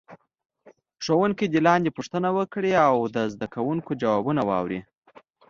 ښوونکی دې لاندې پوښتنه وکړي او د زده کوونکو ځوابونه واوري.